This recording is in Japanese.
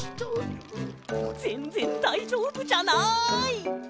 ぜんぜんだいじょうぶじゃない！